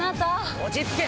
落ち着け！